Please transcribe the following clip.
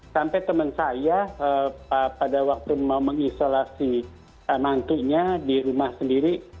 sampai teman saya pada waktu mau mengisolasi mantunya di rumah sendiri